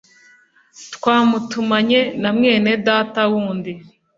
Twamutumanye na mwene Data wundi